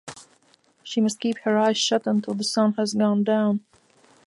She must keep her eyes shut until the sun has gone down.